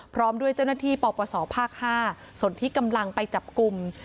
พร้อมด้วยเจ้าหน้าที่ปปศภาค๕ส่วนที่กำลังไปจับกลุ่ม